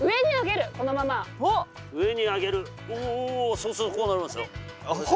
そうするとこうなりますよ。